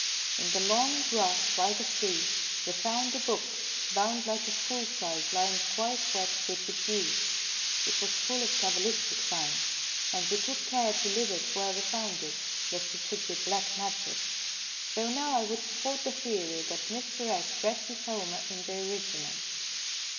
In the long grass by the tree we found a book bound like a school prize lying quite wet with the dew. It was full of cabalistic signs, and we took care to leave it where we found it lest it should be black magic, though now I would support the theory that Mr. X. read his Homer in the original.